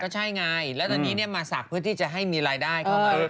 ใช่ไงแล้วตอนนี้มาศักดิ์เพื่อที่จะให้มีรายได้เข้ามา